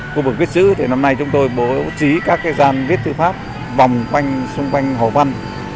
khu vực viết sứ thì năm nay chúng tôi bố trí các gian viết thư pháp vòng quanh xung quanh hồ văn